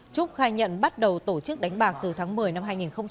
trúc khai nhận bắt đầu tổ chức đánh bạc từ tháng một mươi năm hai nghìn hai mươi ba